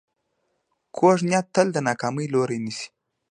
کوږ نیت تل د ناکامۍ لوری نیسي